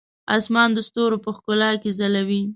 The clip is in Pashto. اسمان د ستورو په ښکلا کې ځلوي.